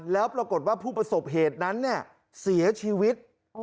แล้วปรากฏว่าผู้ประสบเหตุนั้นเสียชีวิต